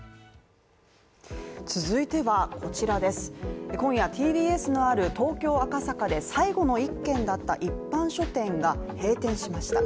続いては、今夜、ＴＢＳのある東京・赤坂で最後の１軒だった一般書店が閉店しました。